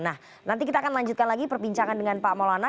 nah nanti kita akan lanjutkan lagi perbincangan dengan pak maulana